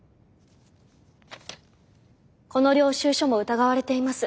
この領収書も疑われています。